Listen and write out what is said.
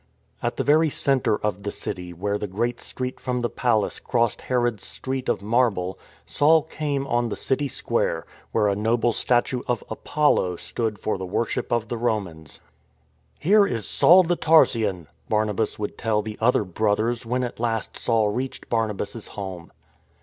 At the very centre of the city where the great street from the Palace crossed Herod's street of marble, 104. IN TRAINING Saul came on the city square, where a noble statue of Apollo stood for the worship of the Romans. " Here is Saul the Tarsian," Barnabas would tell the other Brothers when at last Saul reached Barna bas' home.